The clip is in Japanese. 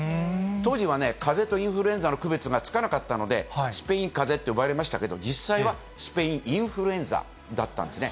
当時はね、かぜとインフルエンザの区別がつかなかったので、スペイン風邪って呼ばれましたけど、実際はスペインインフルエンザだったんですね。